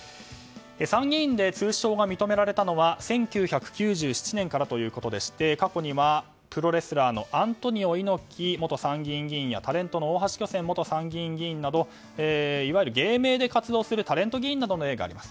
参議院で通称が認められたのは１９９７年からということでして過去には、プロレスラーのアントニオ猪木元参議院議員やタレントの大橋巨泉元参院議員などいわゆる芸名で活動するタレント議員などがいます。